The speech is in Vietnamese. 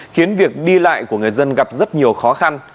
khiến việc đi lại của người dân gặp rất nhiều khó khăn